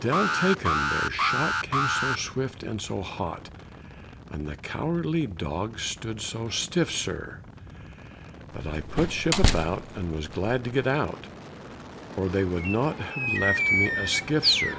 De'il take 'em! their shot Came so swift and so hot, And the cowardly dogs stood so stiff, sirs, That I put ship about And was glad to get out, Or they would not have left me a skiff, sirs.